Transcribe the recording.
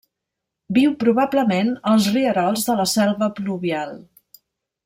Viu probablement als rierols de la selva pluvial.